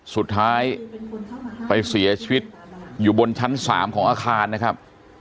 สุดท้ายไปเสียชีวิตอยู่บนชั้น๓ของอาคารนะครับ